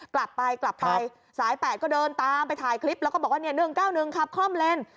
กลับไปกลับไปสาย๘ก็เดินตามไปถ่ายคลิปแล้วก็บอกว่า๑๙๑ขับคล่อมเล่น